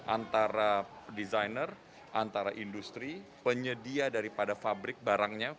antara desainer antara industri penyedia daripada pabrik barangnya